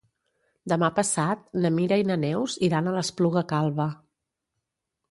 Demà passat na Mira i na Neus iran a l'Espluga Calba.